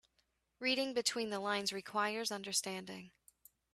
Reading between the lines requires understanding.